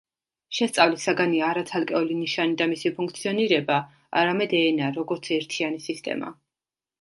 შესწავლის საგანია არა ცალკეული ნიშანი და მისი ფუნქციონირება, არამედ ენა, როგორც ერთიანი სისტემა.